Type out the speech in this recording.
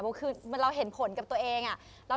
เป็นเภนโผล่ตัวเองอ่ะ